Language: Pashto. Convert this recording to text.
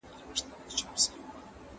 رحمان بابا د باړې په غاړه د ونې لاندې ناست و.